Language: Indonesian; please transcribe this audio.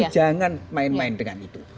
jangan main main dengan itu